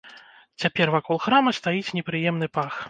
Цяпер вакол храма стаіць непрыемны пах.